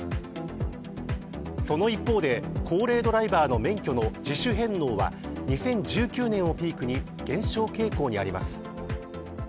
その一方で、高齢ドライバーの免許の自主返納は２０１９年をピークに減少傾向にあります。